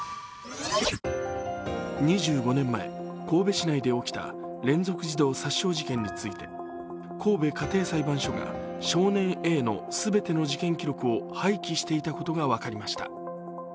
２５年前、神戸市内で起きた連続児童殺傷事件について神戸家庭裁判所が少年Ａの全ての事件記録を廃棄していたことが分かりました。